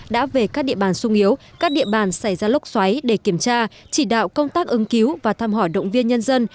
đã về các địa bàn sung yếu các địa bàn xảy ra lốc xoáy để kiểm tra chỉ đạo công tác ứng cứu và thăm hỏi động viên nhân dân